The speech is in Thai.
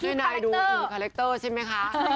แม่นายดูอื่นคาเรคเตอร์ใช่ไหมคะ